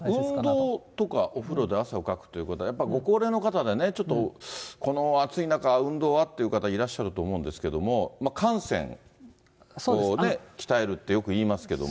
運動とかお風呂で汗をかくということは、やっぱりご高齢の方でね、ちょっとこの暑い中、運動はっていう方いらっしゃると思うんですけど、汗腺を鍛えるって、よくいいますけども。